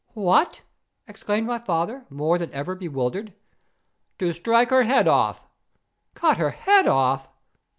"What?" exclaimed my father, more than ever bewildered. "To strike her head off." "Cut her head off!"